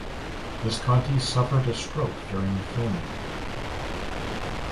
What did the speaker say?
Visconti suffered a stroke during filming.